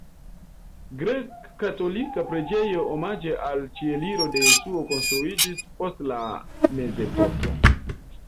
Grek-katolika preĝejo omaĝe al Ĉieliro de Jesuo konstruiĝis post la mezepoko.